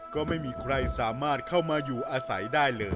ก็ไม่มีใครสามารถเข้ามาอยู่อาศัยได้เลย